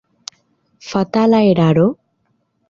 Fatala eraro?